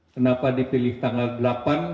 kenapa dipilih tanggal delapan